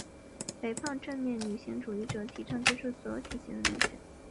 肥胖正面女性主义者提倡接受所有体型的女性。